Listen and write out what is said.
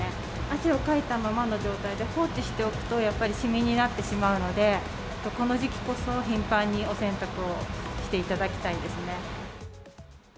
汗をかいたままの状態で放置しておくと、やっぱりシミになってしまうので、この時期こそ、頻繁にお洗濯をしていただきたいですね。